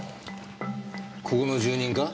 ここの住人か？